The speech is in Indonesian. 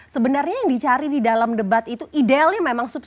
sebenarnya yang dicari di dalam debat itu idealnya memang substan